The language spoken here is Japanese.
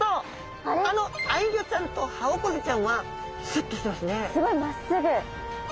あのアイギョちゃんとハオコゼちゃんはすっとしてますね。